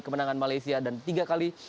kemenangan malaysia dan tiga kali